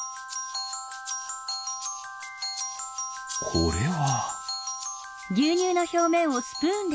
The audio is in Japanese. これは。